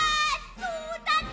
そうだった！